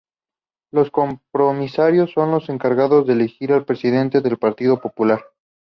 Los compromisarios son los encargados de elegir al presidente del Partido Popular.